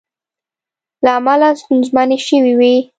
له امله ستونزمنې شوې وې